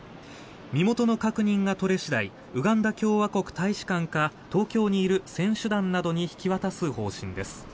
身元の確認が取れ次第ウガンダ共和国大使館か東京にいる選手団などに引き渡す方針です。